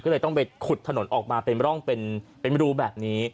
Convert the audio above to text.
ก็เลยต้องไปขุดถนนออกมาเป็นร่องเป็นรูแบบนี้